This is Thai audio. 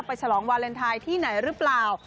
ฉลองวาเลนไทยที่ไหนหรือเปล่า